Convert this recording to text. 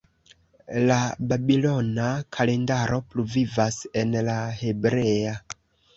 La babilona kalendaro pluvivas en la hebrea.